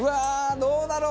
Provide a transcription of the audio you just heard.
どうだろう？